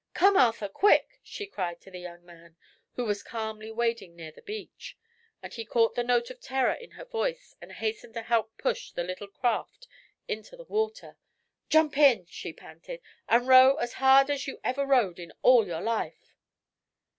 "Come, Arthur, quick!" she cried to the young man, who was calmly wading near the beach, and he caught the note of terror in her voice and hastened to help push the little craft into the water. "Jump in!" she panted, "and row as hard as you ever rowed in all your life."